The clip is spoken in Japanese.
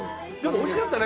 おいしかったね